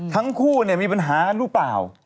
ทั้งคู่มีปัญหากันหรือเปล่า